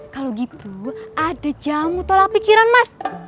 kalau gitu ada jamu tolak pikiran mas